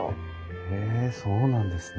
へえそうなんですね。